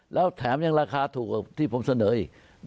แล้วแถมยังราคาถูกกว่าที่ผมเสนออีก